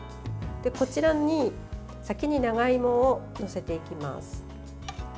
こちらに先に長芋を載せていきます。